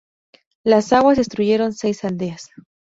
Las aguas destruyeron seis aldeas.